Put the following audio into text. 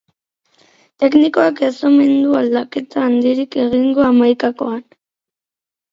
Teknikoak ez omen du aldaketa handirik egingo hamaikakoan.